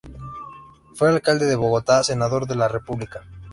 Fue Alcalde de Bogotá, senador de la República.